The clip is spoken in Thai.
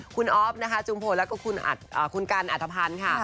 คุณออฟนะคะจุมพลแล้วก็คุณกันอัธพันธ์ค่ะ